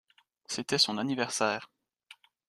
C’était son anniversaire.